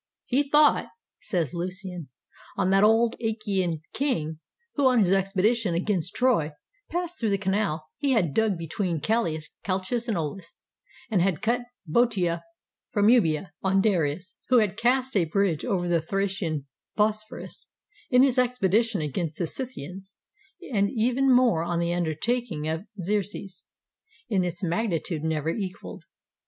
"He thought," says Lucian, "on that old Achaean king who, on his expedition against Troy, passed through the canal he had dug between Chalcis and Auhs, and had cut Boeotia from Euboea; on Darius, who had cast a bridge over the Thracian Bosphorus, in his expedition against the Scythians; and even more on the undertaking of Xerxes, in its magnitude never equaled.